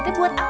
teh buat apa